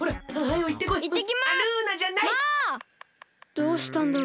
どうしたんだろう。